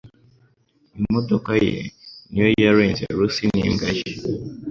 Imodoka ye niyo yarenze Lucy n'imbwa ye.